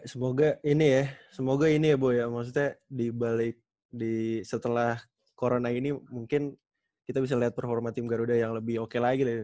semoga ini ya semoga ini ya bu ya maksudnya dibalik setelah corona ini mungkin kita bisa lihat performa tim garuda yang lebih oke lagi